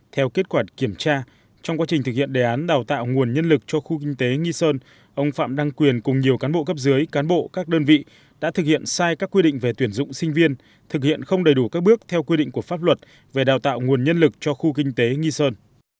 theo kết quả kiểm tra trong quá trình thực hiện đề án đào tạo nguồn nhân lực cho khu kinh tế nghi sơn ông phạm đăng quyền cùng nhiều cán bộ cấp dưới cán bộ các đơn vị đã thực hiện sai các quy định về tuyển dụng sinh viên thực hiện không đầy đủ các bước theo quy định của pháp luật về đào tạo nguồn nhân lực cho khu kinh tế nghi sơn